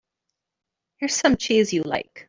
Here's some cheese you like.